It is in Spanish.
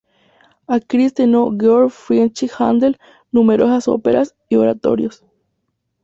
Aquí estrenó Georg Friedrich Händel numerosas óperas y oratorios.